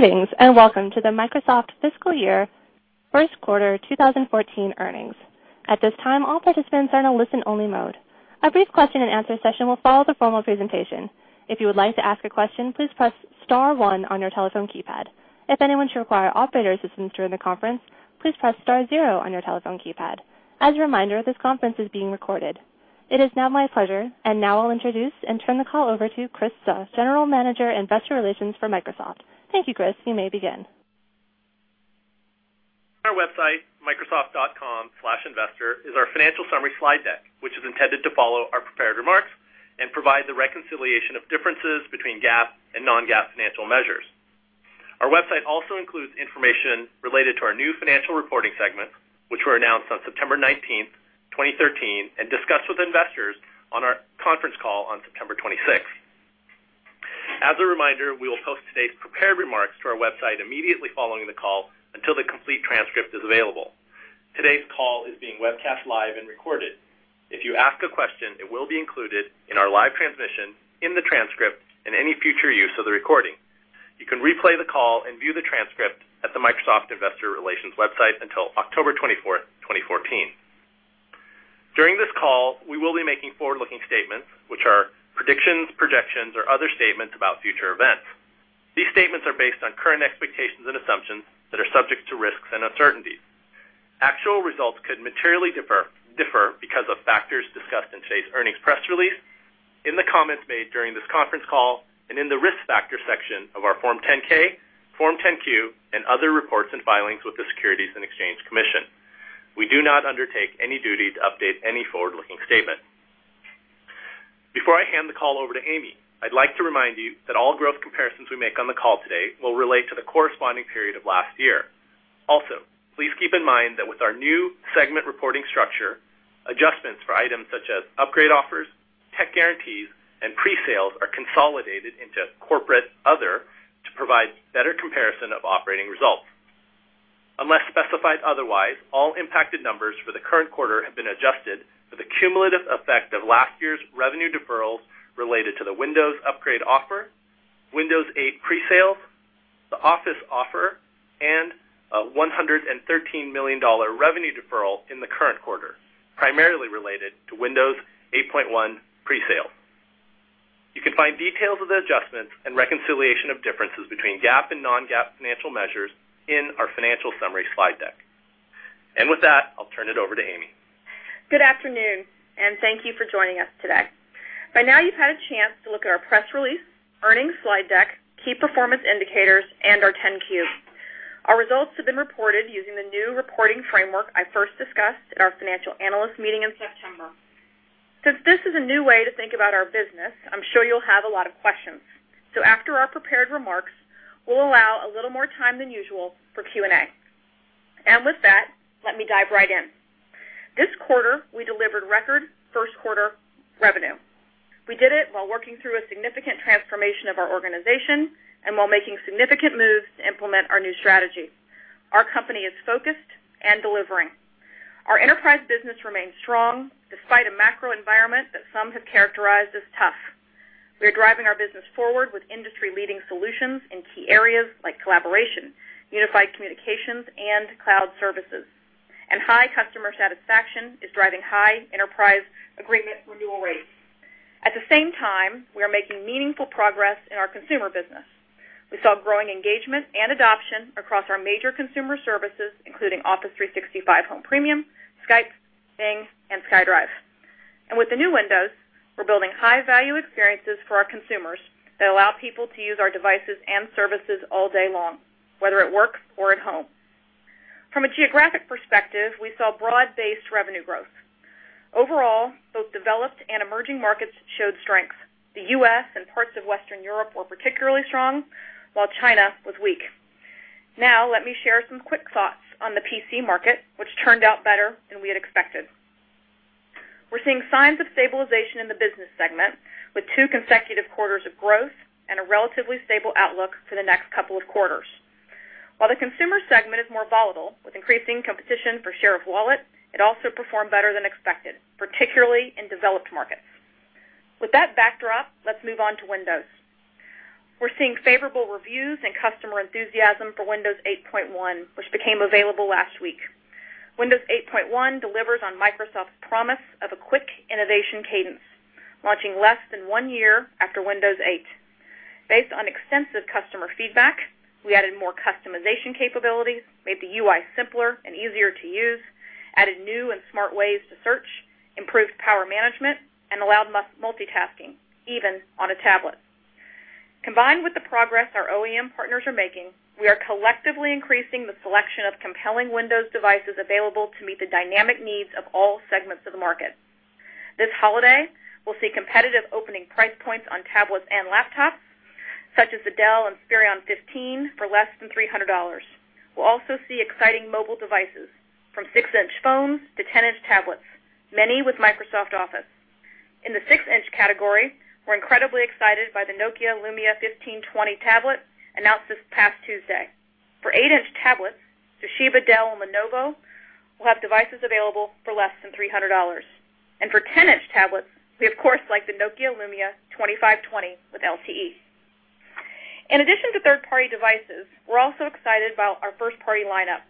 Greetings, and welcome to the Microsoft Fiscal Year First Quarter 2014 Earnings. At this time, all participants are in a listen-only mode. A brief question and answer session will follow the formal presentation. If you would like to ask a question, please press *1 on your telephone keypad. If anyone should require operator assistance during the conference, please press *0 on your telephone keypad. As a reminder, this conference is being recorded. It is now my pleasure, I'll introduce and turn the call over to Chris Suh, General Manager and Investor Relations for Microsoft. Thank you, Chris. You may begin. On our website, microsoft.com/investor is our financial summary slide deck, which is intended to follow our prepared remarks and provide the reconciliation of differences between GAAP and non-GAAP financial measures. Our website also includes information related to our new financial reporting segment, which were announced on September 19th, 2013, and discussed with investors on our conference call on September 26th. As a reminder, we will post today's prepared remarks to our website immediately following the call until the complete transcript is available. Today's call is being webcast live and recorded. If you ask a question, it will be included in our live transmission, in the transcript, and any future use of the recording. You can replay the call and view the transcript at the Microsoft Investor Relations website until October 24th, 2014. During this call, we will be making forward-looking statements, which are predictions, projections, or other statements about future events. These statements are based on current expectations and assumptions that are subject to risks and uncertainties. Actual results could materially differ because of factors discussed in today's earnings press release, in the comments made during this conference call, and in the risk factor section of our Form 10-K, Form 10-Q, and other reports and filings with the Securities and Exchange Commission. We do not undertake any duty to update any forward-looking statement. Before I hand the call over to Amy, I'd like to remind you that all growth comparisons we make on the call today will relate to the corresponding period of last year. Please keep in mind that with our new segment reporting structure, adjustments for items such as upgrade offers, tech guarantees, and pre-sales are consolidated into Corporate Other to provide better comparison of operating results. Unless specified otherwise, all impacted numbers for the current quarter have been adjusted for the cumulative effect of last year's revenue deferrals related to the Windows upgrade offer, Windows 8 pre-sales, the Office offer, and a $113 million revenue deferral in the current quarter, primarily related to Windows 8.1 pre-sale. You can find details of the adjustments and reconciliation of differences between GAAP and non-GAAP financial measures in our financial summary slide deck. With that, I'll turn it over to Amy. Good afternoon, thank you for joining us today. By now, you've had a chance to look at our press release, earnings slide deck, key performance indicators, and our Form 10-Q. Our results have been reported using the new reporting framework I first discussed at our Financial Analyst Meeting in September. Since this is a new way to think about our business, I'm sure you'll have a lot of questions. After our prepared remarks, we'll allow a little more time than usual for Q&A. With that, let me dive right in. This quarter, we delivered record first quarter revenue. We did it while working through a significant transformation of our organization and while making significant moves to implement our new strategy. Our company is focused and delivering. Our enterprise business remains strong despite a macro environment that some have characterized as tough. We are driving our business forward with industry-leading solutions in key areas like collaboration, unified communications, and cloud services. High customer satisfaction is driving high enterprise agreement renewal rates. At the same time, we are making meaningful progress in our consumer business. We saw growing engagement and adoption across our major consumer services, including Office 365 Home Premium, Skype, Bing, and SkyDrive. With the new Windows, we're building high-value experiences for our consumers that allow people to use our devices and services all day long, whether at work or at home. From a geographic perspective, we saw broad-based revenue growth. Overall, both developed and emerging markets showed strength. The U.S. and parts of Western Europe were particularly strong, while China was weak. Let me share some quick thoughts on the PC market, which turned out better than we had expected. We're seeing signs of stabilization in the business segment with two consecutive quarters of growth and a relatively stable outlook for the next couple of quarters. While the consumer segment is more volatile with increasing competition for share of wallet, it also performed better than expected, particularly in developed markets. With that backdrop, let's move on to Windows. We're seeing favorable reviews and customer enthusiasm for Windows 8.1, which became available last week. Windows 8.1 delivers on Microsoft's promise of a quick innovation cadence, launching less than one year after Windows 8. Based on extensive customer feedback, we added more customization capabilities, made the UI simpler and easier to use, added new and smart ways to search, improved power management, and allowed multitasking, even on a tablet. Combined with the progress our OEM partners are making, we are collectively increasing the selection of compelling Windows devices available to meet the dynamic needs of all segments of the market. This holiday, we'll see competitive opening price points on tablets and laptops, such as the Dell Inspiron 15 for less than $300. We'll also see exciting mobile devices, from six-inch phones to 10-inch tablets, many with Microsoft Office. In the 6-inch category, we're incredibly excited by the Nokia Lumia 1520 tablet announced this past Tuesday. For eight-inch tablets, Toshiba, Dell, and Lenovo we'll have devices available for less than $300. For 10-inch tablets, we of course like the Nokia Lumia 2520 with LTE. In addition to third-party devices, we're also excited about our first-party lineup.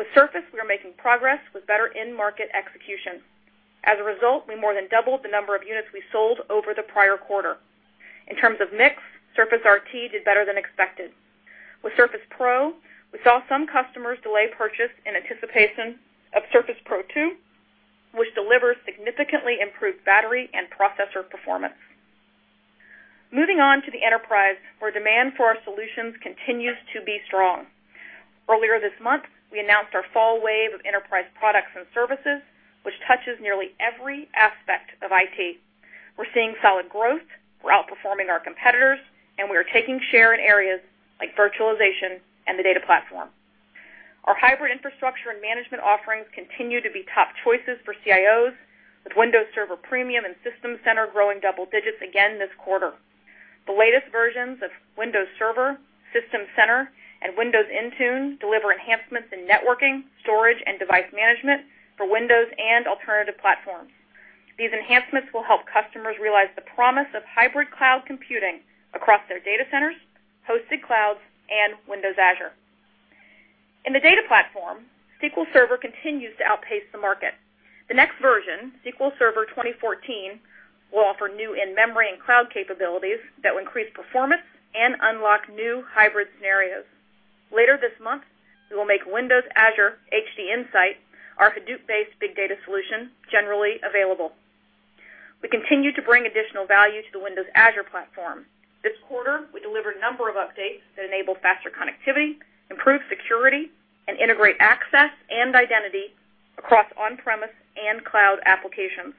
With Surface, we are making progress with better in-market execution. As a result, we more than doubled the number of units we sold over the prior quarter. In terms of mix, Surface RT did better than expected. With Surface Pro, we saw some customers delay purchase in anticipation of Surface Pro 2, which delivers significantly improved battery and processor performance. Moving on to the enterprise, where demand for our solutions continues to be strong. Earlier this month, we announced our fall wave of enterprise products and services, which touches nearly every aspect of IT. We're seeing solid growth, we're outperforming our competitors, and we are taking share in areas like virtualization and the data platform. Our hybrid infrastructure and management offerings continue to be top choices for CIOs. With Windows Server Premium and System Center growing double digits again this quarter. The latest versions of Windows Server, System Center and Windows Intune deliver enhancements in networking, storage, and device management for Windows and alternative platforms. These enhancements will help customers realize the promise of hybrid cloud computing across their data centers, hosted clouds, and Windows Azure. In the data platform, SQL Server continues to outpace the market. The next version, SQL Server 2014, will offer new in-memory and cloud capabilities that will increase performance and unlock new hybrid scenarios. Later this month, we will make Windows Azure HDInsight, our Hadoop-based big data solution, generally available. We continue to bring additional value to the Windows Azure platform. This quarter, we delivered a number of updates that enable faster connectivity, improve security, and integrate access and identity across on-premise and cloud applications.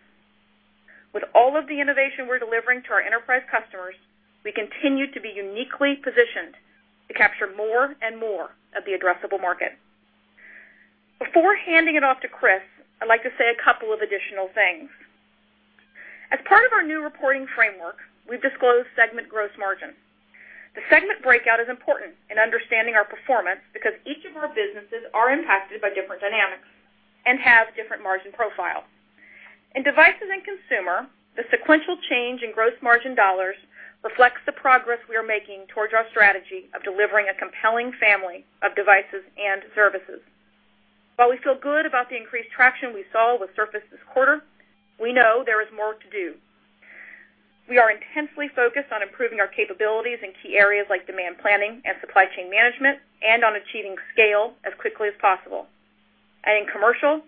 With all of the innovation we're delivering to our enterprise customers, we continue to be uniquely positioned to capture more and more of the addressable market. Before handing it off to Chris, I'd like to say a couple of additional things. As part of our new reporting framework, we've disclosed segment gross margin. The segment breakout is important in understanding our performance because each of our businesses are impacted by different dynamics and have different margin profiles. In devices and consumer, the sequential change in gross margin dollars reflects the progress we are making towards our strategy of delivering a compelling family of devices and services. While we feel good about the increased traction we saw with Surface this quarter, we know there is more to do. We are intensely focused on improving our capabilities in key areas like demand planning and supply chain management, and on achieving scale as quickly as possible. In commercial,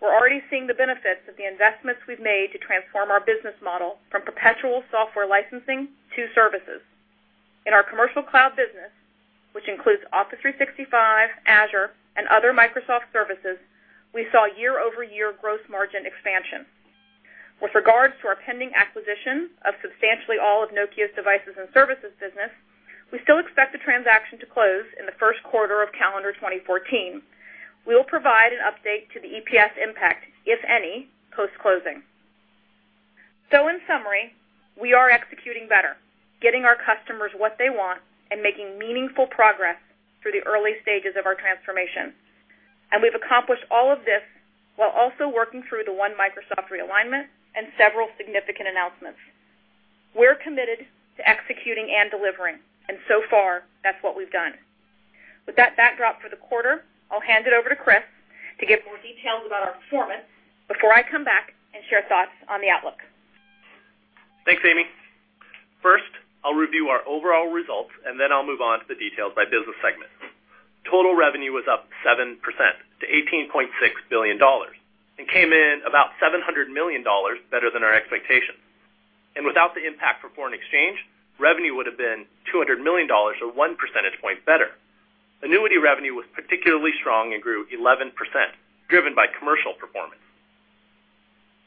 we're already seeing the benefits of the investments we've made to transform our business model from perpetual software licensing to services. In our commercial cloud business, which includes Office 365, Azure, and other Microsoft services, we saw year-over-year gross margin expansion. With regards to our pending acquisition of substantially all of Nokia's devices and services business, we still expect the transaction to close in the first quarter of calendar 2014. We will provide an update to the EPS impact, if any, post-closing. In summary, we are executing better, getting our customers what they want, and making meaningful progress through the early stages of our transformation. We've accomplished all of this while also working through the One Microsoft realignment and several significant announcements. We're committed to executing and delivering, so far that's what we've done. With that backdrop for the quarter, I'll hand it over to Chris to give more details about our performance before I come back and share thoughts on the outlook. Thanks, Amy. First, I'll review our overall results, then I'll move on to the details by business segment. Total revenue was up 7% to $18.6 billion, came in about $700 million better than our expectations. Without the impact from foreign exchange, revenue would've been $200 million or one percentage point better. Annuity revenue was particularly strong, grew 11%, driven by commercial performance.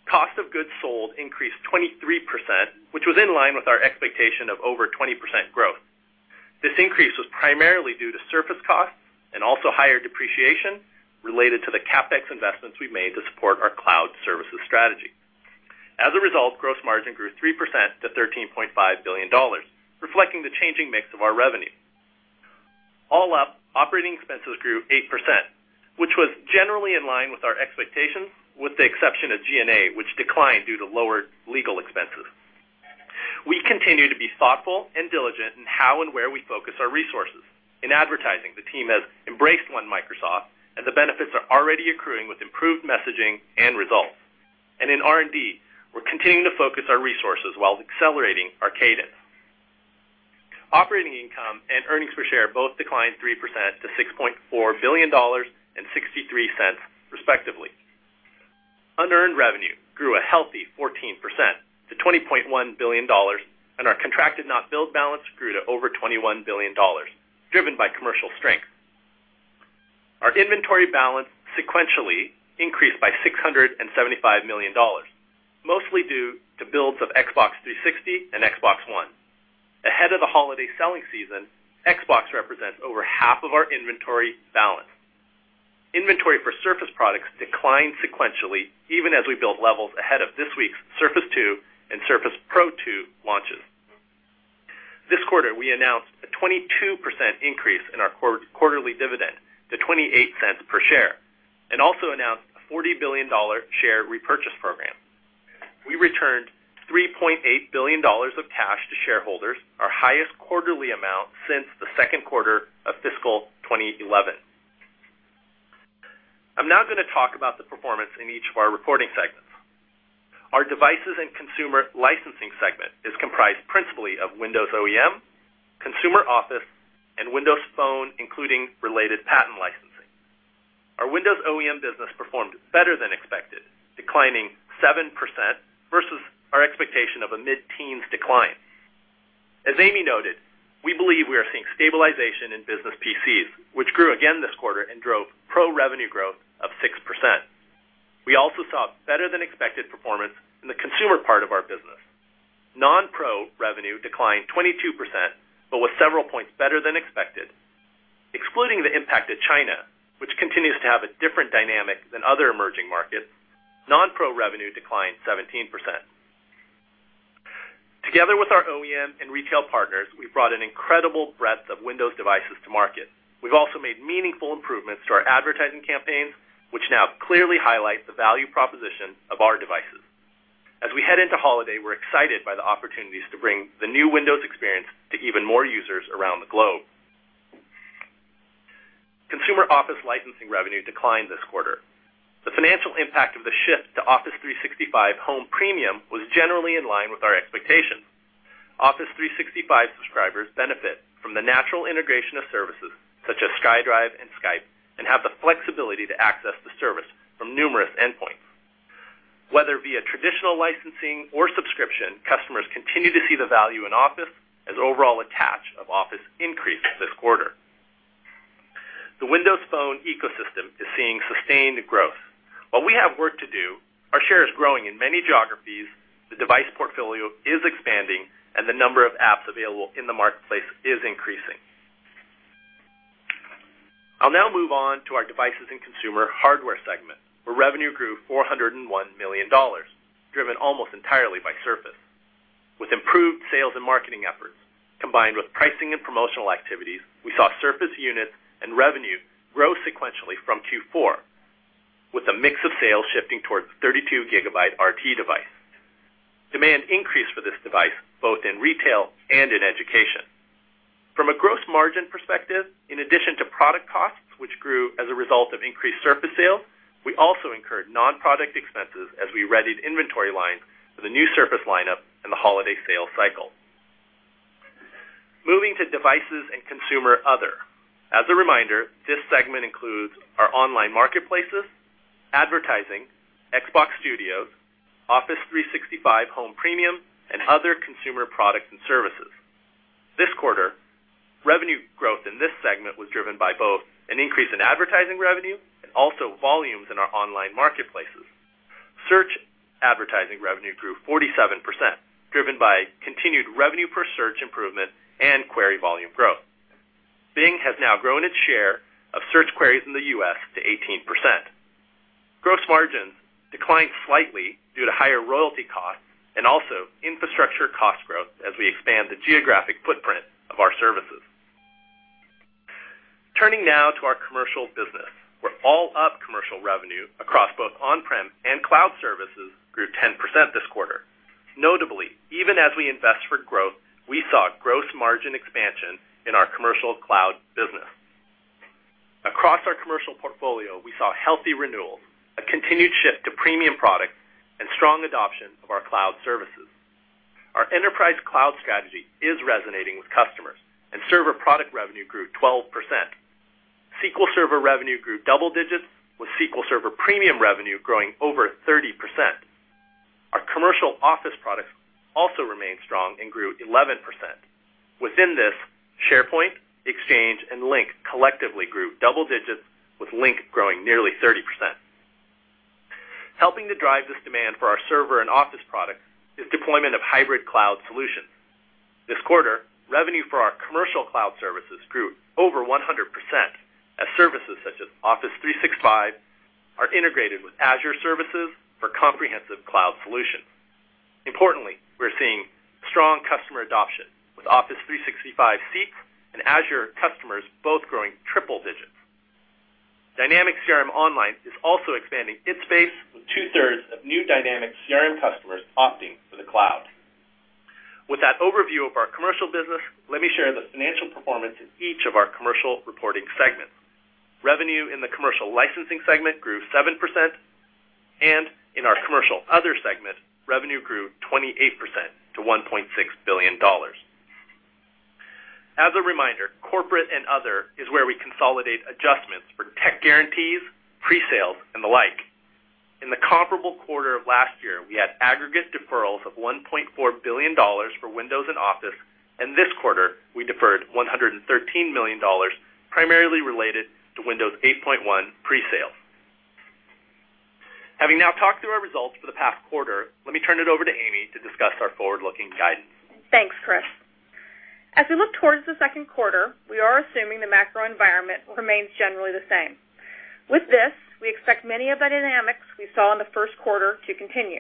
Cost of goods sold increased 23%, which was in line with our expectation of over 20% growth. This increase was primarily due to Surface costs and also higher depreciation related to the CapEx investments we've made to support our cloud services strategy. As a result, gross margin grew 3% to $13.5 billion, reflecting the changing mix of our revenue. All up, operating expenses grew 8%, which was generally in line with our expectations, with the exception of G&A, which declined due to lower legal expenses. We continue to be thoughtful and diligent in how and where we focus our resources. In advertising, the team has embraced One Microsoft and the benefits are already accruing with improved messaging and results. In R&D, we're continuing to focus our resources while accelerating our cadence. Operating income and earnings per share both declined 3% to $6.4 billion and $0.63 respectively. Unearned revenue grew a healthy 14% to $20.1 billion, our contracted not billed balance grew to over $21 billion, driven by commercial strength. Our inventory balance sequentially increased by $675 million, mostly due to builds of Xbox 360 and Xbox One. Ahead of the holiday selling season, Xbox represents over half of our inventory balance. Inventory for Surface products declined sequentially, even as we built levels ahead of this week's Surface 2 and Surface Pro 2 launches. We announced a 22% increase in our quarterly dividend to $0.28 per share, also announced a $40 billion share repurchase program. We returned $3.8 billion of cash to shareholders, our highest quarterly amount since the second quarter of fiscal 2011. I'm now going to talk about the performance in each of our reporting segments. Our devices and consumer licensing segment is comprised principally of Windows OEM, Consumer Office, and Windows Phone, including related patent licensing. Our Windows OEM business performed better than expected, declining 7% versus our expectation of a mid-teens decline. As Amy noted, we believe we are seeing stabilization in business PCs, which grew again this quarter and drove pro revenue growth of 6%. We also saw better-than-expected performance in the consumer part of our business. Non-pro revenue declined 22%, but was several points better than expected. Excluding the impact of China, which continues to have a different dynamic than other emerging markets, non-pro revenue declined 17%. Together with our OEM and retail partners, we've brought an incredible breadth of Windows devices to market. We've also made meaningful improvements to our advertising campaigns, which now clearly highlight the value proposition of our devices. As we head into holiday, we're excited by the opportunities to bring the new Windows experience to even more users around the globe. Consumer Office licensing revenue declined this quarter. The financial impact of the shift to Office 365 Home Premium was generally in line with our expectations. Office 365 subscribers benefit from the natural integration of services such as SkyDrive and Skype and have the flexibility to access the service from numerous endpoints. Whether via traditional licensing or subscription, customers continue to see the value in Office as overall attach of Office increased this quarter. The Windows Phone ecosystem is seeing sustained growth. While we have work to do, our share is growing in many geographies, the device portfolio is expanding, and the number of apps available in the marketplace is increasing. I'll now move on to our devices and consumer hardware segment, where revenue grew $401 million, driven almost entirely by Surface. With improved sales and marketing efforts, combined with pricing and promotional activities, we saw Surface units and revenue grow sequentially from Q4, with a mix of sales shifting towards 32 gigabyte RT device. Demand increased for this device both in retail and in education. From a gross margin perspective, in addition to product costs, which grew as a result of increased Surface sales, we also incurred non-product expenses as we readied inventory lines for the new Surface lineup and the holiday sales cycle. Moving to devices and consumer other. As a reminder, this segment includes our online marketplaces, advertising, Xbox Studios, Office 365 Home Premium, and other consumer products and services. This quarter, revenue growth in this segment was driven by both an increase in advertising revenue and also volumes in our online marketplaces. Search advertising revenue grew 47%, driven by continued revenue per search improvement and query volume growth. Bing has now grown its share of search queries in the U.S. to 18%. Gross margins declined slightly due to higher royalty costs and also infrastructure cost growth as we expand the geographic footprint of our services. Turning now to our commercial business, where all up commercial revenue across both on-prem and cloud services grew 10% this quarter. Notably, even as we invest for growth, we saw gross margin expansion in our commercial cloud business. Across our commercial portfolio, we saw healthy renewals, a continued shift to premium products, and strong adoption of our cloud services. Our enterprise cloud strategy is resonating with customers, and server product revenue grew 12%. SQL Server revenue grew double digits, with SQL Server Premium revenue growing over 30%. Our commercial Office products also remained strong and grew 11%. Within this, SharePoint, Exchange, and Lync collectively grew double digits, with Lync growing nearly 30%. Helping to drive this demand for our server and Office products is deployment of hybrid cloud solutions. This quarter, revenue for our commercial cloud services grew over 100% as services such as Office 365 are integrated with Azure services for comprehensive cloud solutions. Importantly, we are seeing strong customer adoption with Office 365 seat and Azure customers both growing triple digits. Dynamics CRM Online is also expanding its space with two-thirds of new Dynamics CRM customers opting for the cloud. With that overview of our commercial business, let me share the financial performance in each of our commercial reporting segments. Revenue in the commercial licensing segment grew 7%, and in our commercial other segment, revenue grew 28% to $1.6 billion. As a reminder, corporate and other is where we consolidate adjustments for tech guarantees, pre-sales, and the like. In the comparable quarter of last year, we had aggregate deferrals of $1.4 billion for Windows and Office, and this quarter, we deferred $113 million, primarily related to Windows 8.1 presale. Having now talked through our results for the past quarter, let me turn it over to Amy to discuss our forward-looking guidance. Thanks, Chris. As we look towards the second quarter, we are assuming the macro environment remains generally the same. With this, we expect many of the dynamics we saw in the first quarter to continue,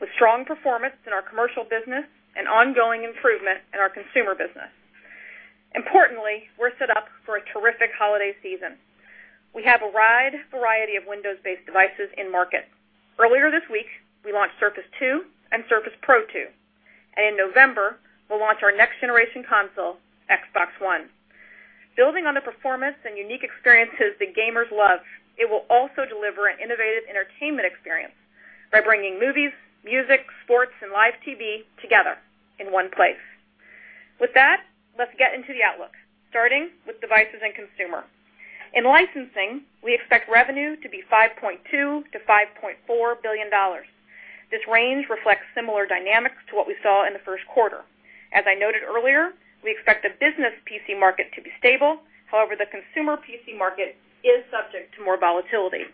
with strong performance in our commercial business and ongoing improvement in our consumer business. Importantly, we are set up for a terrific holiday season. We have a wide variety of Windows-based devices in market. Earlier this week, we launched Surface 2 and Surface Pro 2, and in November, we will launch our next-generation console, Xbox One. Building on the performance and unique experiences that gamers love, it will also deliver an innovative entertainment experience by bringing movies, music, sports, and live TV together in one place. With that, let's get into the outlook, starting with devices and consumer. In licensing, we expect revenue to be $5.2 billion-$5.4 billion. This range reflects similar dynamics to what we saw in the first quarter. As I noted earlier, we expect the business PC market to be stable. The consumer PC market is subject to more volatility.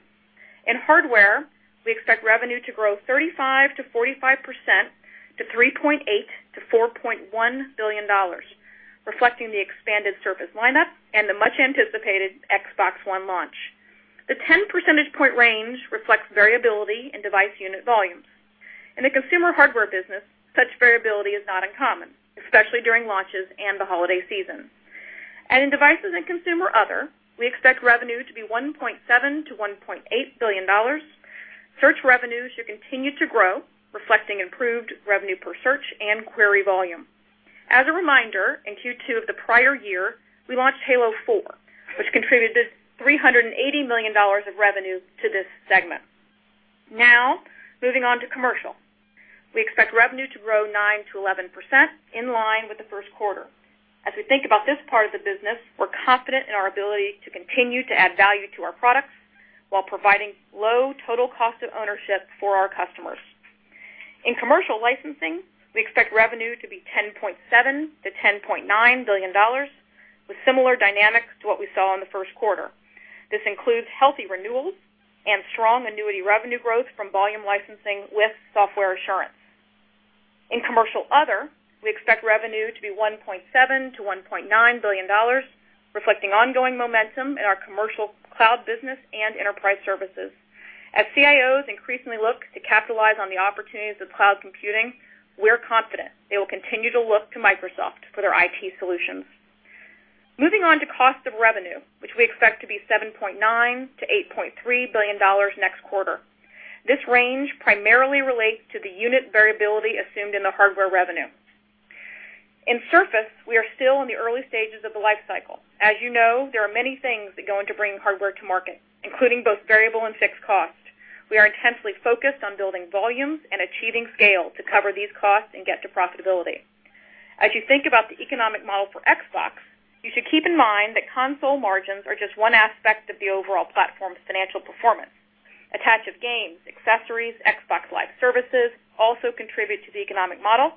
In hardware, we expect revenue to grow 35%-45%, to $3.8 billion-$4.1 billion, reflecting the expanded Surface lineup and the much-anticipated Xbox One launch. The 10 percentage point range reflects variability in device unit volumes. In the consumer hardware business, such variability is not uncommon, especially during launches and the holiday season. In devices and consumer other, we expect revenue to be $1.7 billion-$1.8 billion. Search revenues should continue to grow, reflecting improved revenue per search and query volume. As a reminder, in Q2 of the prior year, we launched "Halo 4," which contributed $380 million of revenue to this segment. Moving on to commercial. We expect revenue to grow 9%-11%, in line with the first quarter. As we think about this part of the business, we're confident in our ability to continue to add value to our products while providing low total cost of ownership for our customers. In commercial licensing, we expect revenue to be $10.7 billion-$10.9 billion, with similar dynamics to what we saw in the first quarter. This includes healthy renewals and strong annuity revenue growth from volume licensing with software assurance. In commercial other, we expect revenue to be $1.7 billion-$1.9 billion, reflecting ongoing momentum in our commercial cloud business and enterprise services. As CIOs increasingly look to capitalize on the opportunities of cloud computing, we're confident they will continue to look to Microsoft for their IT solutions. Moving on to cost of revenue, which we expect to be $7.9 billion-$8.3 billion next quarter. This range primarily relates to the unit variability assumed in the hardware revenue. In Surface, we are still in the early stages of the life cycle. As you know, there are many things that go into bringing hardware to market, including both variable and fixed costs. We are intensely focused on building volumes and achieving scale to cover these costs and get to profitability. As you think about the economic model for Xbox, you should keep in mind that console margins are just one aspect of the overall platform's financial performance. Attached is games, accessories, Xbox Live services also contribute to the economic model.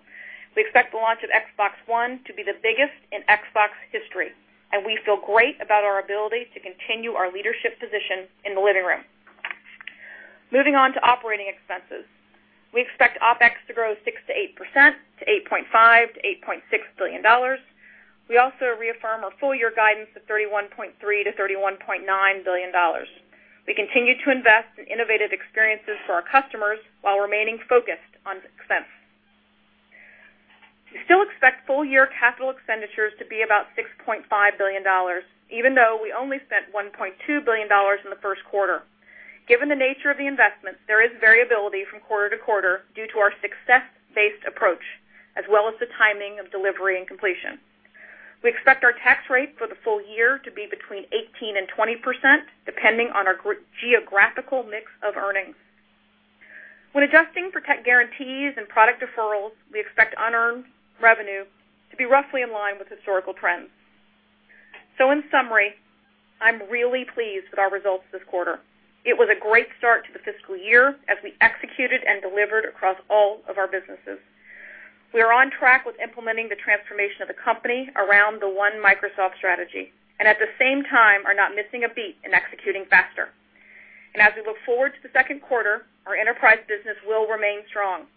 We expect the launch of Xbox One to be the biggest in Xbox history, and we feel great about our ability to continue our leadership position in the living room. Moving on to operating expenses. We expect OpEx to grow 6%-8%, to $8.5 billion-$8.6 billion. We also reaffirm our full-year guidance of $31.3 billion-$31.9 billion. We continue to invest in innovative experiences for our customers while remaining focused on expense. We still expect full-year capital expenditures to be about $6.5 billion, even though we only spent $1.2 billion in the first quarter. Given the nature of the investment, there is variability from quarter to quarter due to our success-based approach, as well as the timing of delivery and completion. We expect our tax rate for the full year to be between 18% and 20%, depending on our geographical mix of earnings. When adjusting for tech guarantees and product deferrals, we expect unearned revenue to be roughly in line with historical trends. In summary, I'm really pleased with our results this quarter. It was a great start to the fiscal year as we executed and delivered across all of our businesses. We are on track with implementing the transformation of the company around the One Microsoft strategy. At the same time, are not missing a beat in executing faster. As we look forward to the second quarter, our enterprise business will remain strong,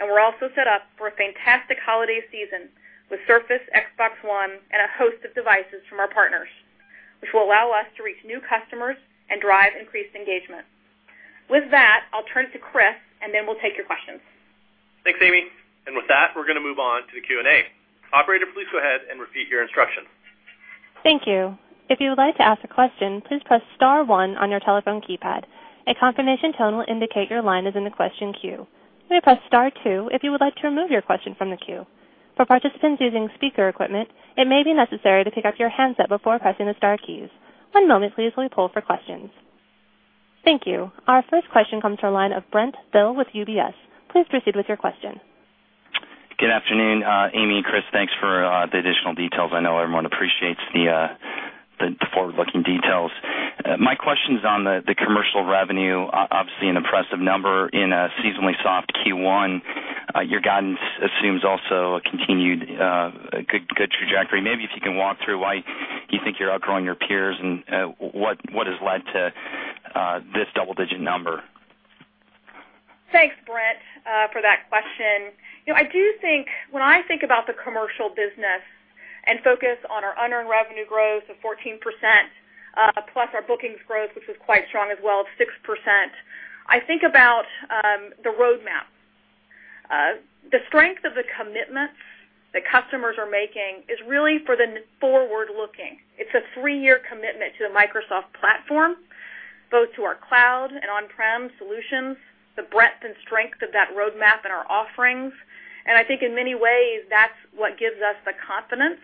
and we're also set up for a fantastic holiday season with Surface, Xbox One, and a host of devices from our partners, which will allow us to reach new customers and drive increased engagement. With that, I'll turn it to Chris, and then we'll take your questions. Thanks, Amy. With that, we're going to move on to the Q&A. Operator, please go ahead and repeat your instructions. Thank you. If you would like to ask a question, please press *1 on your telephone keypad. A confirmation tone will indicate your line is in the question queue. You may press *2 if you would like to remove your question from the queue. For participants using speaker equipment, it may be necessary to pick up your handset before pressing the star keys. One moment please while we poll for questions. Thank you. Our first question comes to the line of Brent Thill with UBS. Please proceed with your question. Good afternoon, Amy, Chris. Thanks for the additional details. I know everyone appreciates the forward-looking details. My question's on the commercial revenue. Obviously, an impressive number in a seasonally soft Q1. Your guidance assumes also a continued good trajectory. Maybe if you can walk through why you think you're outgrowing your peers and what has led to this double-digit number? Thanks, Brent, for that question. When I think about the commercial business and focus on our unearned revenue growth of 14%, plus our bookings growth, which was quite strong as well at 6%, I think about the roadmap. The strength of the commitments that customers are making is really for the forward-looking. It's a three-year commitment to the Microsoft platform, both to our cloud and on-prem solutions, the breadth and strength of that roadmap and our offerings. I think in many ways, that's what gives us the confidence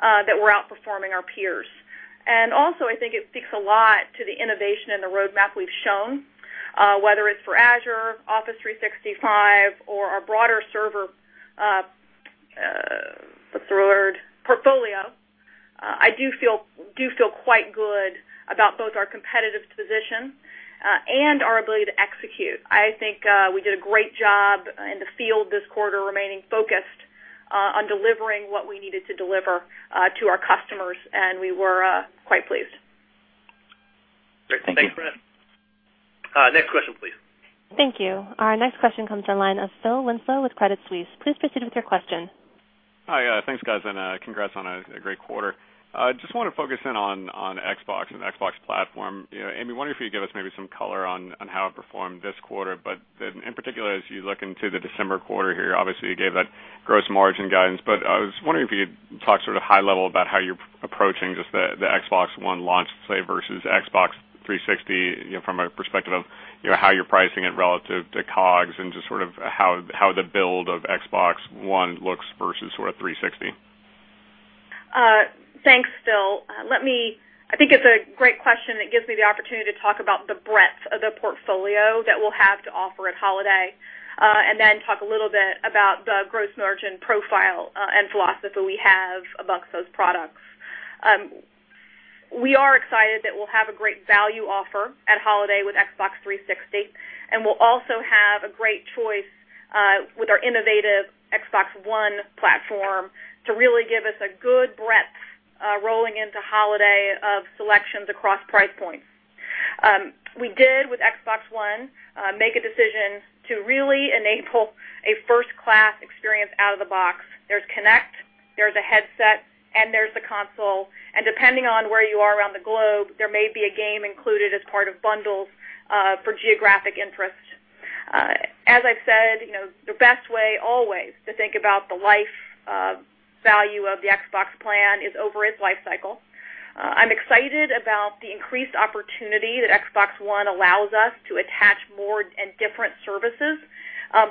that we're outperforming our peers. Also, I think it speaks a lot to the innovation and the roadmap we've shown whether it's for Azure, Office 365, or our broader server portfolio. I do feel quite good about both our competitive position and our ability to execute. I think we did a great job in the field this quarter remaining focused on delivering what we needed to deliver to our customers, and we were quite pleased. Great. Thanks. Thank you. Next question, please. Thank you. Our next question comes to the line of Philip Winslow with Credit Suisse. Please proceed with your question. Hi. Thanks, guys, congrats on a great quarter. Just want to focus in on Xbox and the Xbox platform. Amy, wonder if you could give us maybe some color on how it performed this quarter, in particular, as you look into the December quarter here, obviously, you gave that gross margin guidance. I was wondering if you could talk sort of high level about how you're approaching just the Xbox One launch, say, versus Xbox 360 from a perspective of how you're pricing it relative to COGS and just sort of how the build of Xbox One looks versus 360. Thanks, Phil. I think it's a great question that gives me the opportunity to talk about the breadth of the portfolio that we'll have to offer at holiday, then talk a little bit about the gross margin profile and philosophy we have amongst those products. We are excited that we'll have a great value offer at holiday with Xbox 360, we'll also have a great choice with our innovative Xbox One platform to really give us a good breadth rolling into holiday of selections across price points. We did with Xbox One make a decision to really enable a first-class experience out of the box. There's Kinect, there's a headset, there's the console, depending on where you are around the globe, there may be a game included as part of bundles for geographic interest. As I've said, the best way always to think about the life value of the Xbox plan is over its life cycle. I'm excited about the increased opportunity that Xbox One allows us to attach more and different services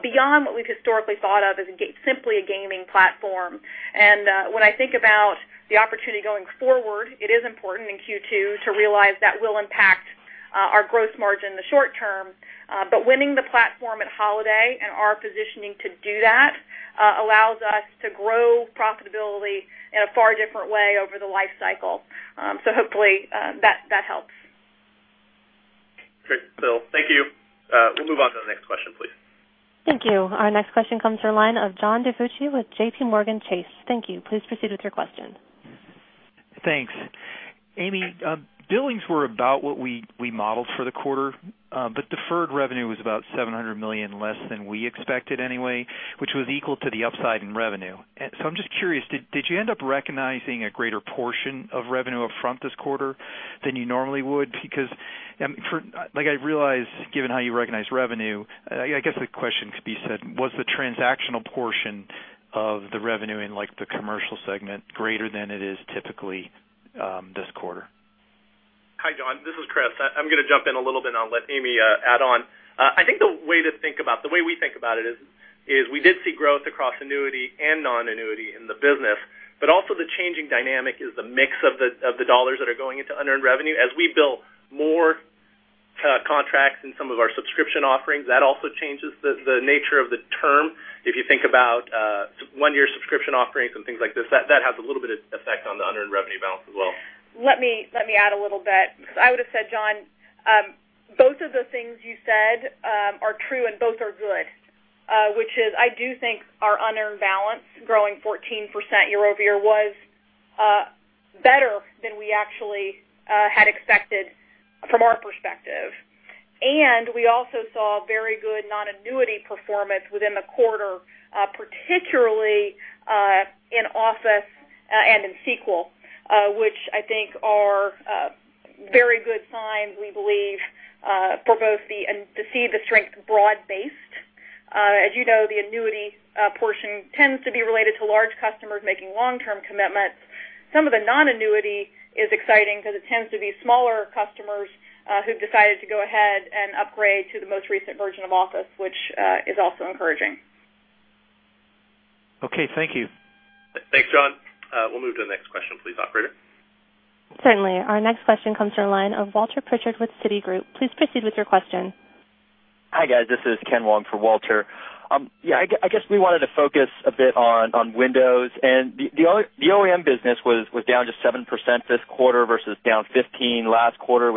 beyond what we've historically thought of as simply a gaming platform. When I think about the opportunity going forward, it is important in Q2 to realize that will impact our gross margin in the short term. Winning the platform at holiday and our positioning to do that allows us to grow profitability in a far different way over the life cycle. Hopefully, that helps. Great, Phil. Thank you. We'll move on to the next question, please. Thank you. Our next question comes to the line of John DiFucci with JPMorgan Chase. Thank you. Please proceed with your question. Thanks. Amy, billings were about what we modeled for the quarter, but deferred revenue was about $700 million less than we expected anyway, which was equal to the upside in revenue. I'm just curious, did you end up recognizing a greater portion of revenue up front this quarter than you normally would? I guess the question could be said, was the transactional portion of the revenue in the commercial segment greater than it is typically this quarter? Hi, John. This is Chris. I'm going to jump in a little bit, and I'll let Amy add on. I think the way we think about it is we did see growth across annuity and non-annuity in the business, but also the changing dynamic is the mix of the dollars that are going into unearned revenue. As we build more contracts in some of our subscription offerings, that also changes the nature of the term. If you think about one-year subscription offerings and things like this, that has a little bit of effect on the unearned revenue balance as well. Let me add a little bit. I would've said, John, both of the things you said are true and both are good, which is, I do think our unearned balance growing 14% year-over-year was better than we actually had expected from our perspective. We also saw very good non-annuity performance within the quarter, particularly in Office and in SQL which I think are very good signs, we believe, to see the strength broad-based. As you know, the annuity portion tends to be related to large customers making long-term commitments. Some of the non-annuity is exciting because it tends to be smaller customers who've decided to go ahead and upgrade to the most recent version of Office, which is also encouraging. Okay. Thank you. Thanks, John. We'll move to the next question please, operator. Certainly. Our next question comes to the line of Walter Pritchard with Citigroup. Please proceed with your question. Hi, guys. This is Ken Wong for Walter Pritchard. I guess we wanted to focus a bit on Windows and the OEM business was down just 7% this quarter versus down 15 last quarter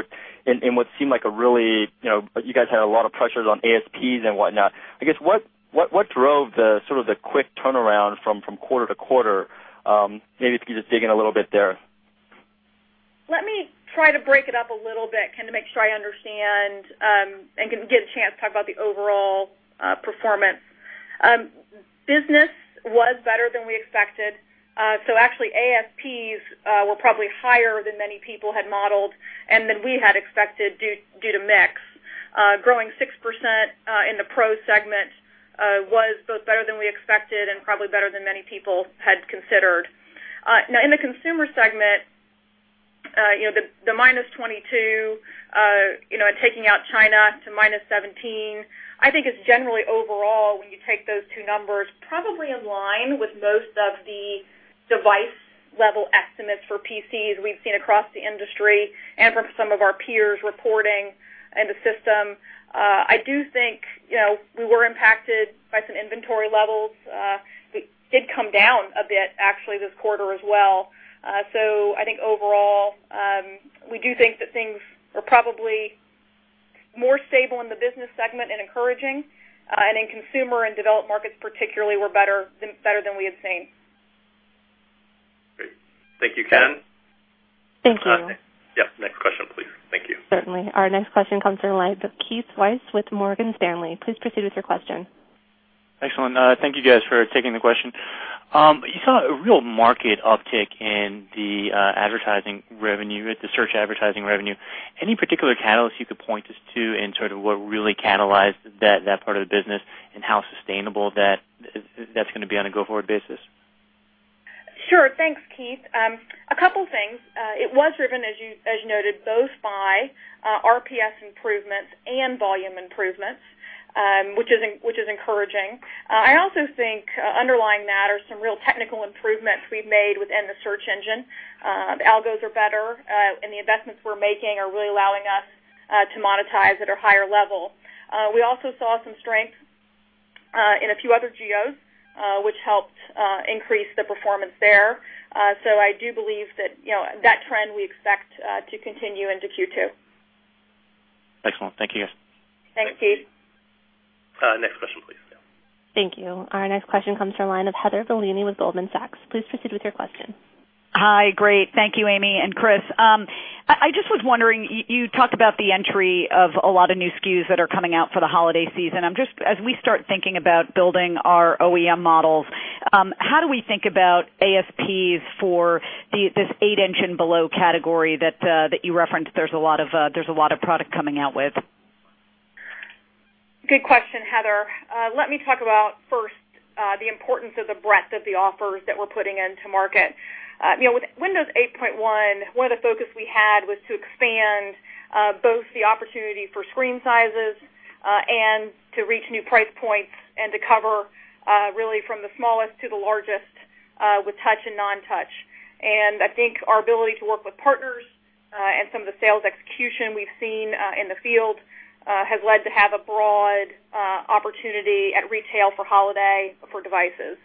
in what seemed like a really. You guys had a lot of pressures on ASPs and whatnot. I guess what drove the sort of the quick turnaround from quarter to quarter? Maybe if you could just dig in a little bit there. Let me try to break it up a little bit to make sure I understand, and get a chance to talk about the overall performance. Business was better than we expected. Actually, ASPs were probably higher than many people had modeled and than we had expected due to mix. Growing 6% in the Pro segment was both better than we expected and probably better than many people had considered. In the Consumer segment, the minus 22, and taking out China to minus 17, I think is generally overall, when you take those two numbers, probably in line with most of the device-level estimates for PCs we've seen across the industry and from some of our peers reporting in the system. I do think we were impacted by some inventory levels, that did come down a bit actually this quarter as well. I think overall, we do think that things are probably more stable in the business segment and encouraging. In consumer and developed markets particularly, we're better than we had seen. Great. Thank you. Ken? Thank you. Yes, next question, please. Thank you. Certainly. Our next question comes from the line of Keith Weiss with Morgan Stanley. Please proceed with your question. Excellent. Thank you guys for taking the question. You saw a real market uptick in the advertising revenue, the search advertising revenue. Any particular catalyst you could point us to in sort of what really catalyzed that part of the business, and how sustainable that's going to be on a go-forward basis? Sure. Thanks, Keith. A couple things. It was driven, as you noted, both by RPS improvements and volume improvements, which is encouraging. I also think underlying that are some real technical improvements we've made within the search engine. The algos are better, and the investments we're making are really allowing us to monetize at a higher level. We also saw some strength in a few other geos, which helped increase the performance there. I do believe that that trend we expect to continue into Q2. Excellent. Thank you, guys. Thanks, Keith. Next question, please. Thank you. Our next question comes from the line of Heather Bellini with Goldman Sachs. Please proceed with your question. Hi. Great. Thank you, Amy and Chris. I just was wondering, you talked about the entry of a lot of new SKUs that are coming out for the holiday season. As we start thinking about building our OEM models, how do we think about ASPs for the eight-inch and below category that you referenced? There's a lot of product coming out with. Good question, Heather. Let me talk about, first, the importance of the breadth of the offers that we're putting into market. With Windows 8.1, one of the focus we had was to expand both the opportunity for screen sizes, and to reach new price points and to cover really from the smallest to the largest, with touch and non-touch. I think our ability to work with partners and some of the sales execution we've seen in the field has led to have a broad opportunity at retail for holiday for devices.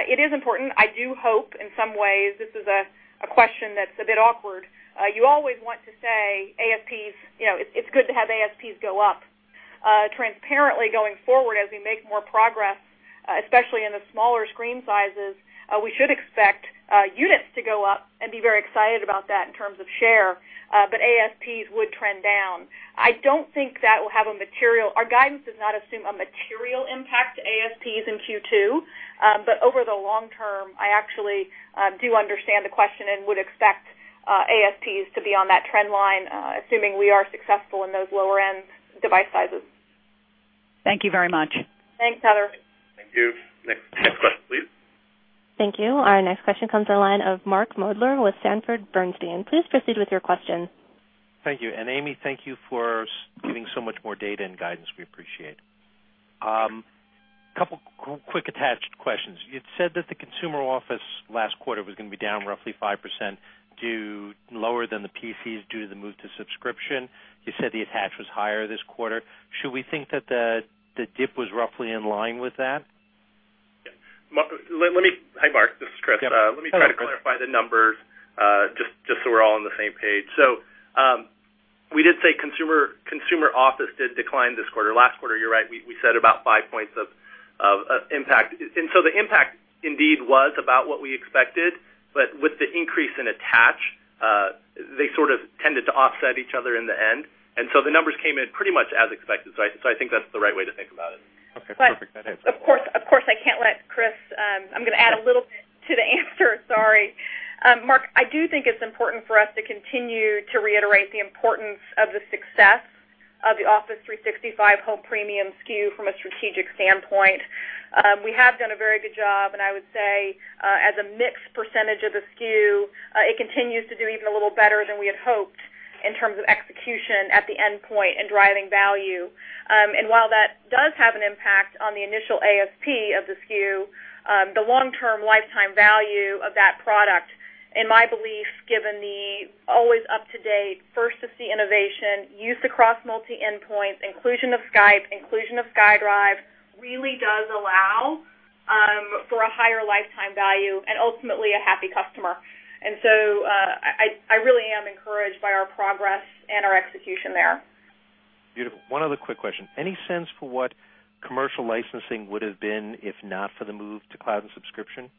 It is important. I do hope in some ways this is a question that's a bit awkward. You always want to say ASPs, it's good to have ASPs go up. Transparently going forward as we make more progress, especially in the smaller screen sizes, we should expect units to go up and be very excited about that in terms of share. ASPs would trend down. Our guidance does not assume a material impact to ASPs in Q2. Over the long term, I actually do understand the question and would expect ASPs to be on that trend line, assuming we are successful in those lower-end device sizes. Thank you very much. Thanks, Heather. Thank you. Next question, please. Thank you. Our next question comes on the line of Mark Moerdler with Sanford Bernstein. Please proceed with your question. Thank you. Amy, thank you for giving so much more data and guidance. We appreciate. Couple quick attached questions. You said that the consumer Office last quarter was going to be down roughly 5% to lower than the PCs due to the move to subscription. You said the attach was higher this quarter. Should we think that the dip was roughly in line with that? Hi, Mark. This is Chris. Yep. Hello, Chris. Let me try to clarify the numbers just so we're all on the same page. We did say consumer Office did decline this quarter. Last quarter, you're right, we said about five points of impact. The impact indeed was about what we expected. With the increase in attach, they sort of tended to offset each other in the end. The numbers came in pretty much as expected. I think that's the right way to think about it. Okay, perfect. That answers it all. Of course, I can't let Chris. I'm going to add a little bit to the answer. Sorry, Mark, I do think it's important for us to continue to reiterate the importance of the success of the Office 365 Home Premium SKU from a strategic standpoint. We have done a very good job, and I would say, as a mixed percentage of the SKU, it continues to do even a little better than we had hoped in terms of execution at the endpoint and driving value. While that does have an impact on the initial ASP of the SKU, the long-term lifetime value of that product, in my belief, given the always up-to-date first-to-see innovation, use across multi endpoints, inclusion of Skype, inclusion of SkyDrive, really does allow for a higher lifetime value and ultimately a happy customer. I really am encouraged by our progress and our execution there. Beautiful. One other quick question. Any sense for what commercial licensing would have been if not for the move to cloud and subscription?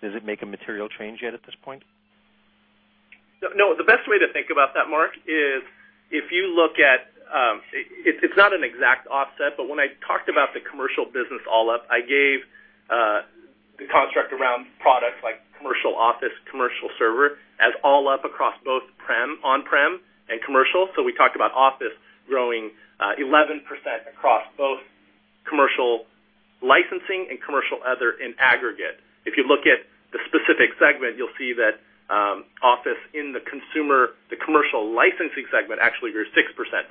Does it make a material change yet at this point? No. The best way to think about that, Mark, is it's not an exact offset, but when I talked about the commercial business all up, I gave the construct around products like Commercial Office, Commercial Server, as all up across both on-prem and commercial. We talked about Office growing 11% across both commercial licensing and commercial other in aggregate. If you look at the specific segment, you'll see that Office in the commercial licensing segment actually grew 6%.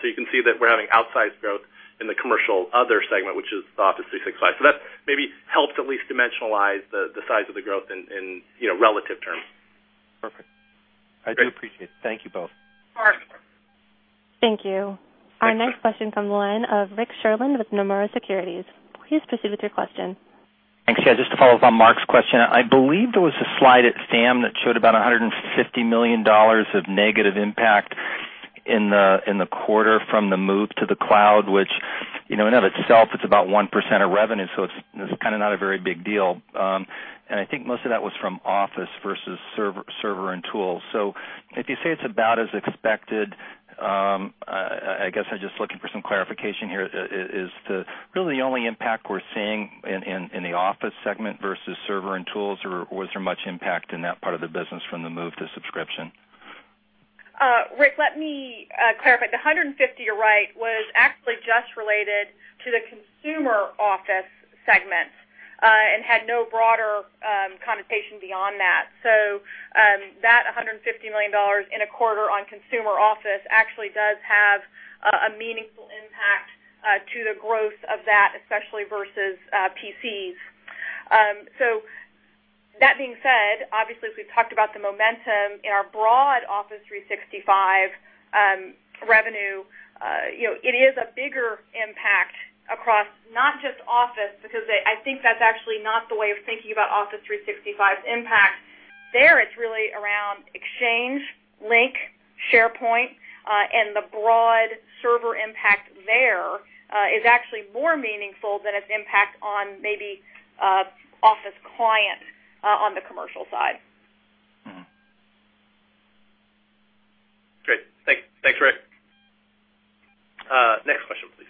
You can see that we're having outsized growth in the commercial other segment, which is Office 365. That maybe helped at least dimensionalize the size of the growth in relative terms. Perfect. I do appreciate it. Thank you both. Mark. Thank you. Our next question comes from the line of Rick Sherlund with Nomura Securities. Please proceed with your question. Thanks. Just to follow up on Mark's question, I believe there was a slide at FAM that showed about $150 million of negative impact in the quarter from the move to the cloud, which in of itself it's about 1% of revenue, so it's kind of not a very big deal. I think most of that was from Office versus server and tools. Can you say it's about as expected? I guess I'm just looking for some clarification here. Is the really only impact we're seeing in the Office segment versus server and tools, or was there much impact in that part of the business from the move to subscription? Rick, let me clarify. The $150 you're right, was actually just related to the consumer Office segments, and had no broader connotation beyond that. That $150 million in a quarter on consumer Office actually does have a meaningful impact to the growth of that, especially versus PCs. That being said, obviously, as we've talked about the momentum in our broad Office 365 revenue, it is a bigger impact across not just Office, because I think that's actually not the way of thinking about Office 365's impact. There, it's really around Exchange, Lync, SharePoint, and the broad server impact there is actually more meaningful than its impact on maybe Office client on the commercial side. Great. Thanks, Rick. Next question, please.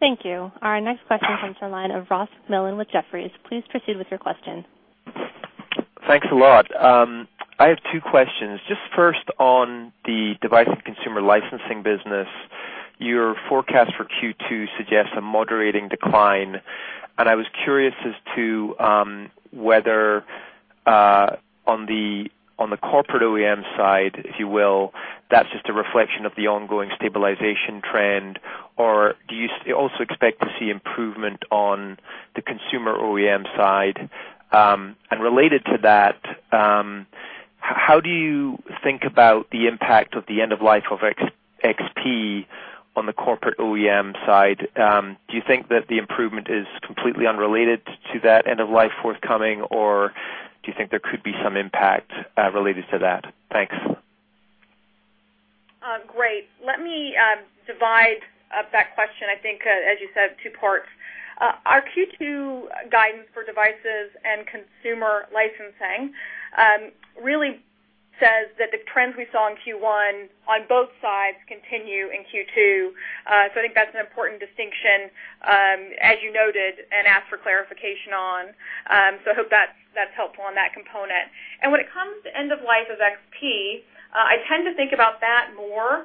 Thank you. Our next question comes from the line of Ross MacMillan with Jefferies. Please proceed with your question. Thanks a lot. I have two questions. Just first on the device and consumer licensing business, your forecast for Q2 suggests a moderating decline, and I was curious as to whether on the corporate OEM side, if you will, that's just a reflection of the ongoing stabilization trend, or do you also expect to see improvement on the consumer OEM side? Related to that, how do you think about the impact of the end-of-life of XP on the corporate OEM side? Do you think that the improvement is completely unrelated to that end-of-life forthcoming, or do you think there could be some impact related to that? Thanks. Great. Let me divide up that question, I think, as you said, two parts. Our Q2 guidance for devices and consumer licensing really says that the trends we saw in Q1 on both sides continue in Q2. I think that's an important distinction, as you noted and asked for clarification on. I hope that's helpful on that component. When it comes to end-of-life of XP, I tend to think about that more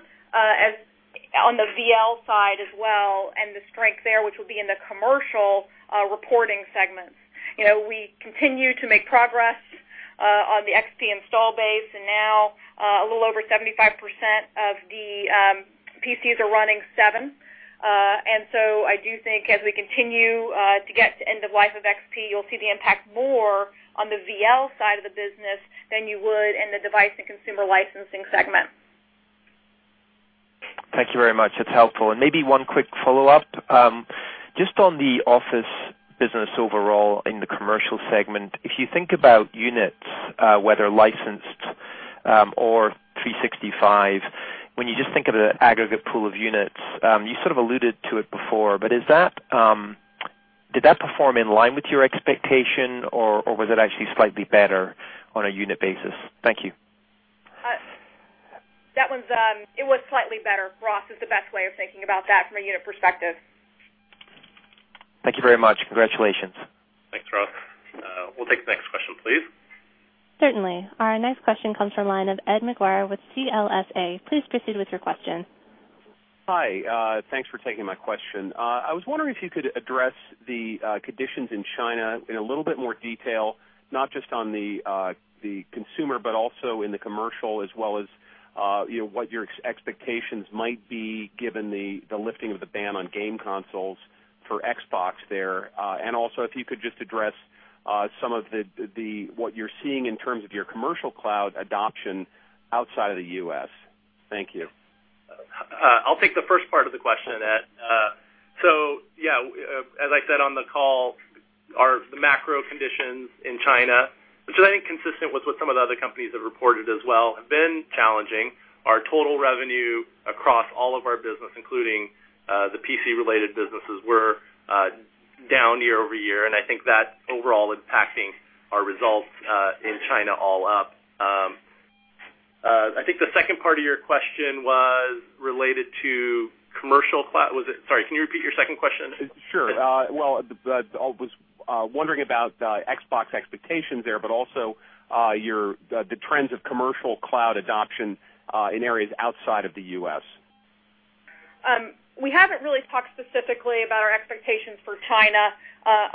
on the VL side as well and the strength there, which will be in the commercial reporting segments. We continue to make progress on the XP install base, and now a little over 75% of the PCs are running 7. I do think as we continue to get to end-of-life of XP, you'll see the impact more on the VL side of the business than you would in the device and consumer licensing segment. Thank you very much. That's helpful. Maybe one quick follow-up. Just on the Office business overall in the commercial segment, if you think about units, whether licensed or 365, when you just think of the aggregate pool of units, you sort of alluded to it before, but did that perform in line with your expectation, or was it actually slightly better on a unit basis? Thank you. It was slightly better, Ross, is the best way of thinking about that from a unit perspective. Thank you very much. Congratulations. Thanks, Ross. We'll take the next question, please. Certainly. Our next question comes from line of Ed Maguire with CLSA. Please proceed with your question. Hi. Thanks for taking my question. I was wondering if you could address the conditions in China in a little bit more detail, not just on the consumer, but also in the commercial as well as what your expectations might be given the lifting of the ban on game consoles for Xbox there. Also if you could just address some of what you're seeing in terms of your commercial cloud adoption outside of the U.S. Thank you. I'll take the first part of the question, Ed. Yeah, as I said on the call, the macro conditions in China, which I think consistent with what some of the other companies have reported as well, have been challenging. Our total revenue across all of our business, including the PC-related businesses, were down year-over-year, and I think that overall impacting our results in China all up. I think the second part of your question was related to commercial cloud, was it? Sorry, can you repeat your second question? Sure. I was wondering about Xbox expectations there, but also the trends of commercial cloud adoption in areas outside of the U.S. We haven't really talked specifically about our expectations for China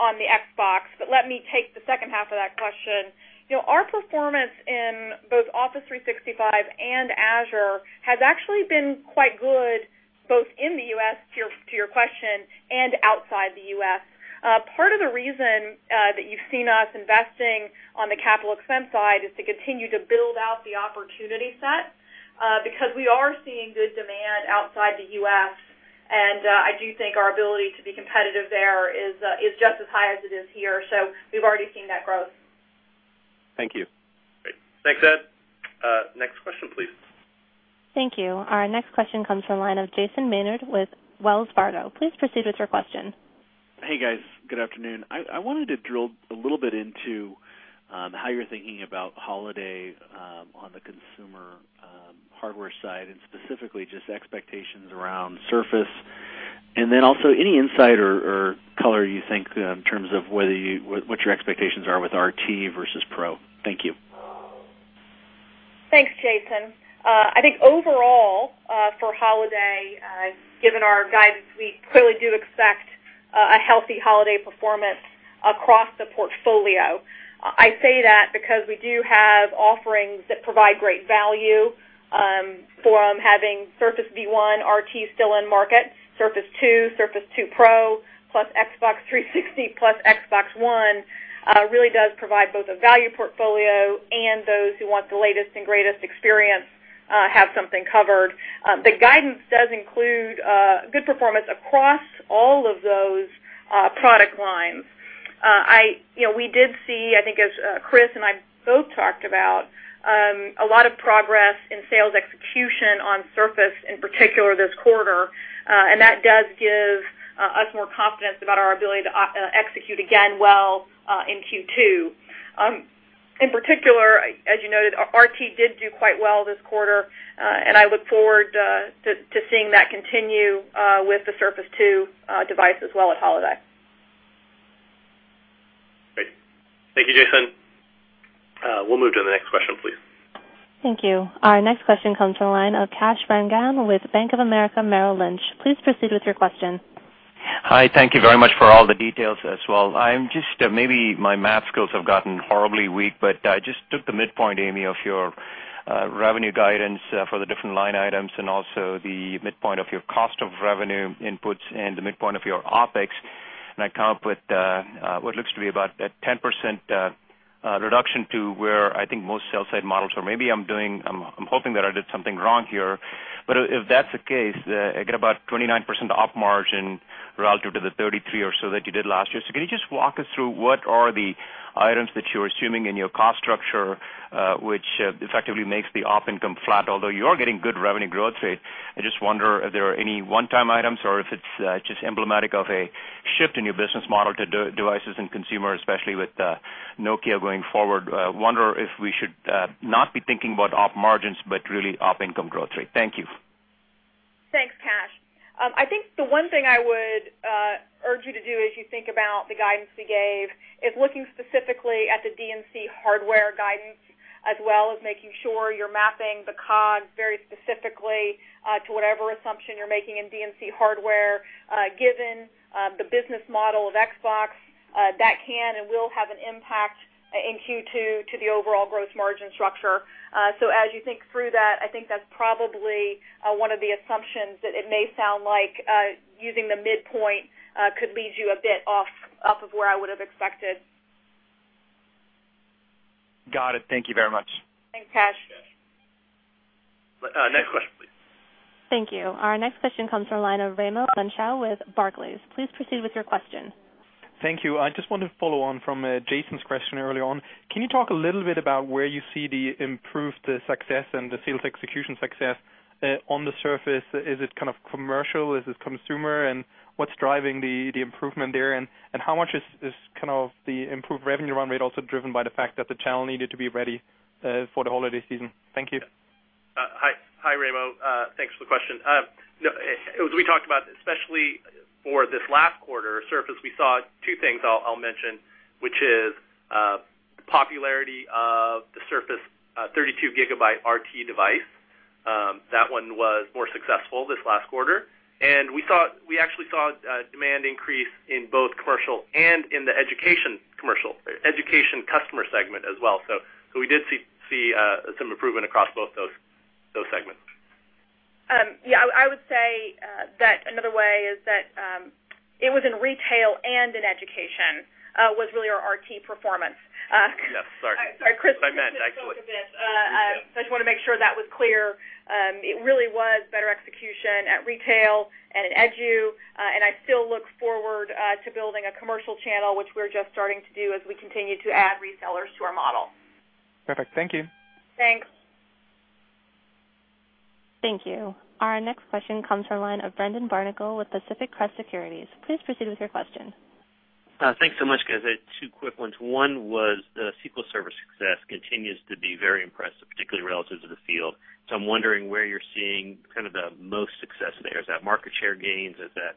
on the Xbox, but let me take the second half of that question. Our performance in both Office 365 and Azure has actually been quite good, both in the U.S., to your question, and outside the U.S. Part of the reason that you've seen us investing on the capital expense side is to continue to build out the opportunity set because we are seeing good demand outside the U.S., and I do think our ability to be competitive there is just as high as it is here. We've already seen that growth. Thank you. Great. Thanks, Ed. Next question, please. Thank you. Our next question comes from the line of Jason Maynard with Wells Fargo. Please proceed with your question. Hey, guys. Good afternoon. I wanted to drill a little bit into how you're thinking about holiday on the consumer hardware side and specifically just expectations around Surface. Also any insight or color you think in terms of what your expectations are with RT versus Pro. Thank you. Thanks, Jason. I think overall, for holiday, given our guidance, we clearly do expect a healthy holiday performance across the portfolio. I say that because we do have offerings that provide great value from having Surface V1 RT still in market, Surface 2, Surface Pro, 2 plus Xbox 360, plus Xbox One, really does provide both a value portfolio and those who want the latest and greatest experience have something covered. The guidance does include good performance across all of those product lines. We did see, I think as Chris and I both talked about, a lot of progress in sales execution on Surface in particular this quarter. That does give us more confidence about our ability to execute again well in Q2. In particular, as you noted, RT did do quite well this quarter. I look forward to seeing that continue with the Surface 2 device as well at holiday. Great. Thank you, Jason. We'll move to the next question, please. Thank you. Our next question comes from the line of Kash Rangan with Bank of America Merrill Lynch. Please proceed with your question. Hi. Thank you very much for all the details as well. Maybe my math skills have gotten horribly weak, but I just took the midpoint, Amy, of your revenue guidance for the different line items, also the midpoint of your cost of revenue inputs and the midpoint of your OpEx, and I come up with what looks to be about a 10% reduction to where I think most sell side models are. I'm hoping that I did something wrong here. If that's the case, I get about 29% op margin relative to the 33% or so that you did last year. Can you just walk us through what are the items that you're assuming in your cost structure which effectively makes the op income flat, although you're getting good revenue growth rate? I just wonder if there are any one-time items or if it's just emblematic of a shift in your business model to Devices and Consumer, especially with Nokia going forward. Wonder if we should not be thinking about op margins, but really op income growth rate. Thank you. Thanks, Kash. I think the one thing I would urge you to do as you think about the guidance we gave is looking specifically at the D&C hardware guidance, as well as making sure you're mapping the COGS very specifically to whatever assumption you're making in D&C hardware. Given the business model of Xbox, that can and will have an impact in Q2 to the overall gross margin structure. As you think through that, I think that's probably one of the assumptions that it may sound like using the midpoint could lead you a bit off of where I would have expected. Got it. Thank you very much. Thanks, Kash. Next question, please. Thank you. Our next question comes from line of Raimo Lenschow with Barclays. Please proceed with your question. Thank you. I just want to follow on from Jason's question earlier on. Can you talk a little bit about where you see the improved success and the sales execution success on the Surface? Is it kind of commercial? Is it consumer? What's driving the improvement there? How much is kind of the improved revenue run rate also driven by the fact that the channel needed to be ready for the holiday season? Thank you. Hi, Raimo. Thanks for the question. As we talked about, especially for this last quarter, Surface, we saw two things I'll mention, which is popularity of the Surface 32 GB RT device. That one was more successful this last quarter. We actually saw demand increase in both commercial and in the education customer segment as well. We did see some improvement across both those segments. Yeah, I would say that another way is that it was in retail and in education, was really our RT performance. Yes, sorry. Sorry, Chris. What I meant, actually. I just want to make sure that was clear. It really was better execution at retail and in edu, and I still look forward to building a commercial channel, which we're just starting to do as we continue to add resellers to our model. Perfect. Thank you. Thanks. Thank you. Our next question comes from the line of Brendan Barnicle with Pacific Crest Securities. Please proceed with your question. Thanks so much, guys. I had two quick ones. One was the SQL Server success continues to be very impressive, particularly relative to the field. I'm wondering where you're seeing the most success there. Is that market share gains? Is that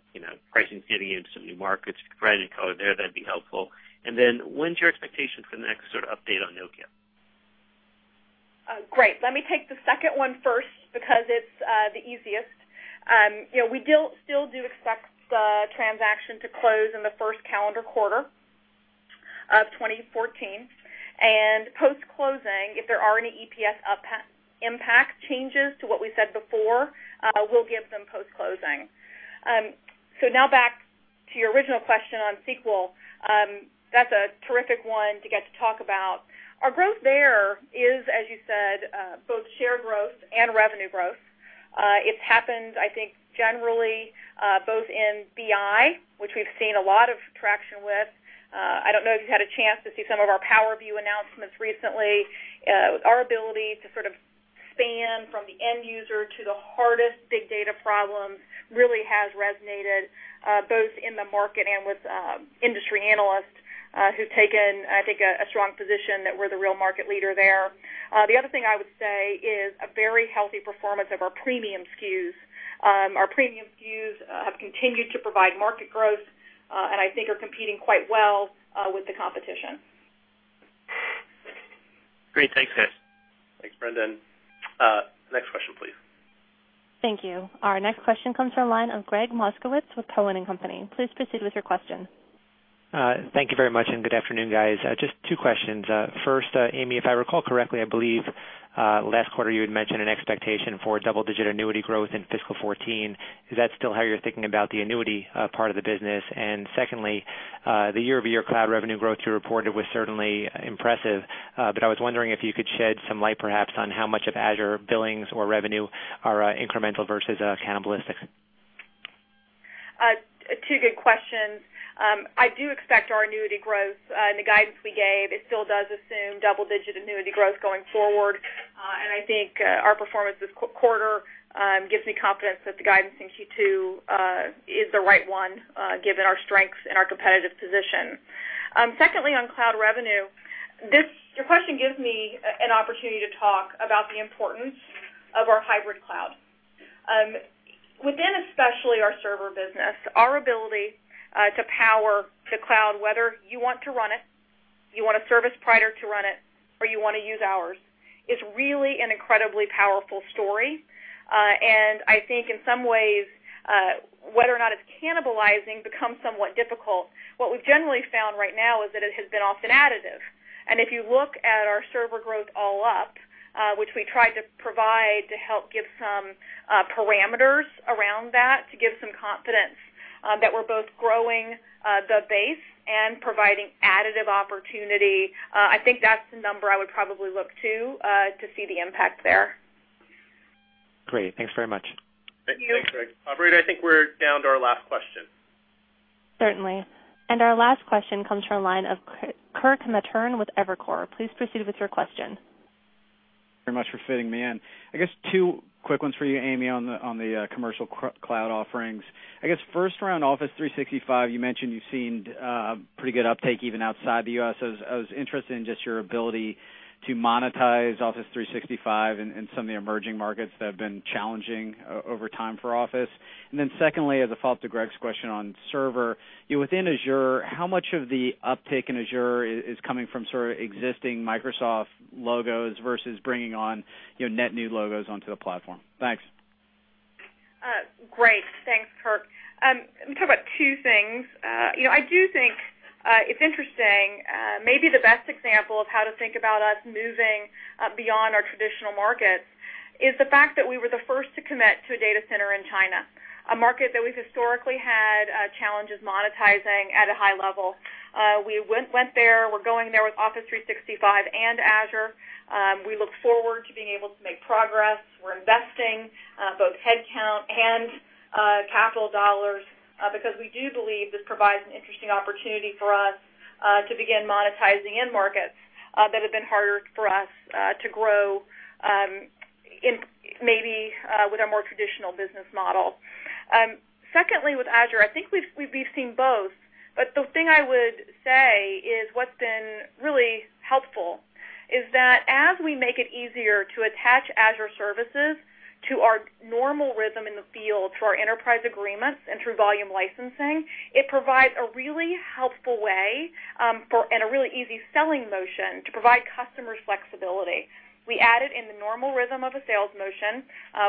pricing getting into some new markets? If you could provide any color there, that'd be helpful. What is your expectation for the next update on Nokia? Great. Let me take the second one first because it's the easiest. We still do expect the transaction to close in the first calendar quarter of 2014. Post-closing, if there are any EPS impact changes to what we said before, we'll give them post-closing. Now back to your original question on SQL. That's a terrific one to get to talk about. Our growth there is, as you said, both share growth and revenue growth. It's happened, I think, generally both in BI, which we've seen a lot of traction with. I don't know if you've had a chance to see some of our Power View announcements recently. Our ability to span from the end user to the hardest big data problems really has resonated both in the market and with industry analysts who've taken, I think, a strong position that we're the real market leader there. The other thing I would say is a very healthy performance of our premium SKUs. Our premium SKUs have continued to provide market growth. I think are competing quite well with the competition. Great. Thanks, guys. Thanks, Brendan. Next question please. Thank you. Our next question comes from the line of Gregg Moskowitz with Cowen and Company. Please proceed with your question. Thank you very much, good afternoon, guys. Just two questions. First, Amy, if I recall correctly, I believe last quarter you had mentioned an expectation for double-digit annuity growth in fiscal 2014. Is that still how you're thinking about the annuity part of the business? Secondly, the year-over-year cloud revenue growth you reported was certainly impressive. But I was wondering if you could shed some light perhaps on how much of Azure billings or revenue are incremental versus cannibalistic. Two good questions. I do expect our annuity growth and the guidance we gave, it still does assume double-digit annuity growth going forward. I think our performance this quarter gives me confidence that the guidance in Q2 is the right one given our strengths and our competitive position. Secondly, on cloud revenue, your question gives me an opportunity to talk about the importance of our hybrid cloud. Within especially our server business, our ability to power to cloud, whether you want to run it, you want a service provider to run it, or you want to use ours, is really an incredibly powerful story. I think in some ways, whether or not it's cannibalizing becomes somewhat difficult. What we've generally found right now is that it has been often additive. If you look at our server growth all up, which we tried to provide to help give some parameters around that to give some confidence that we're both growing the base and providing additive opportunity, I think that's the number I would probably look to to see the impact there. Great. Thanks very much. Thank you. Thanks, Gregg. Operator, I think we're down to our last question. Certainly. Our last question comes from the line of Kirk Materne with Evercore. Please proceed with your question. Very much for fitting me in. I guess two quick ones for you, Amy, on the commercial cloud offerings. I guess first around Office 365, you mentioned you've seen pretty good uptake even outside the U.S. I was interested in just your ability to monetize Office 365 in some of the emerging markets that have been challenging over time for Office. Secondly, as a follow-up to Gregg's question on server, within Azure, how much of the uptake in Azure is coming from sort of existing Microsoft logos versus bringing on net new logos onto the platform? Thanks. Great. Thanks, Kirk. Let me talk about two things. I do think it's interesting. Maybe the best example of how to think about us moving beyond our traditional markets is the fact that we were the first to commit to a data center in China, a market that we've historically had challenges monetizing at a high level. We went there. We're going there with Office 365 and Azure. We look forward to being able to make progress. We're investing both headcount and capital dollars because we do believe this provides an interesting opportunity for us to begin monetizing in markets that have been harder for us to grow maybe with a more traditional business model. Secondly, with Azure, I think we've seen both. The thing I would say is what's been really helpful is that as we make it easier to attach Azure services to our normal rhythm in the field, through our enterprise agreements and through volume licensing, it provides a really helpful way and a really easy selling motion to provide customers flexibility. We add it in the normal rhythm of a sales motion.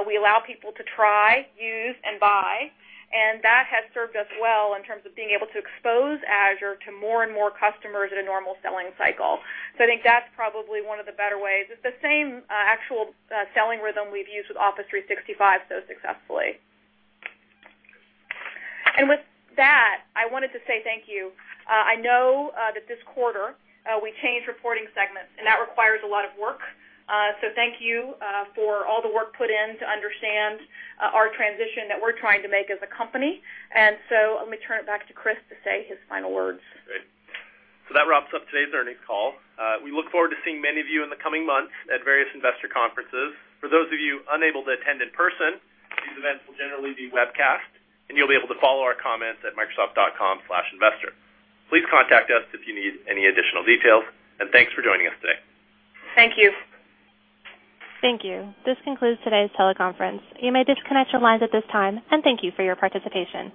We allow people to try, use, and buy, and that has served us well in terms of being able to expose Azure to more and more customers at a normal selling cycle. I think that's probably one of the better ways. It's the same actual selling rhythm we've used with Office 365 so successfully. With that, I wanted to say thank you. I know that this quarter we changed reporting segments, and that requires a lot of work. Thank you for all the work put in to understand our transition that we're trying to make as a company. Let me turn it back to Chris to say his final words. That wraps up today's earnings call. We look forward to seeing many of you in the coming months at various investor conferences. For those of you unable to attend in person, these events will generally be webcast, and you'll be able to follow our comments at microsoft.com/investor. Please contact us if you need any additional details, and thanks for joining us today. Thank you. Thank you. This concludes today's teleconference. You may disconnect your lines at this time, and thank you for your participation.